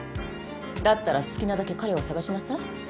だったら好きなだけ彼を捜しなさい。